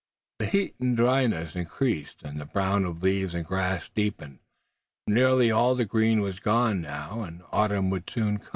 The heat and dryness increased, and the brown of leaf and grass deepened. Nearly all the green was gone now, and autumn would soon come.